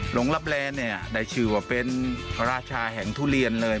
ลงรับแลนเนี่ยได้ชื่อว่าเป็นพระราชาแห่งทุเรียนเลย